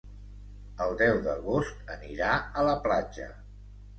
El deu d'agost anirà a la platja.